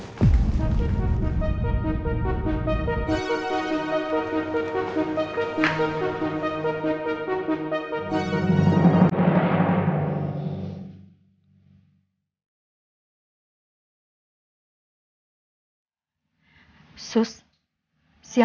sus siapkan yuk eskitnya